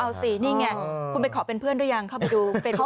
เอาสินี่ไงคุณไปขอเป็นเพื่อนด้วยหรือยังเข้าไปดูเฟย์โลกของเขา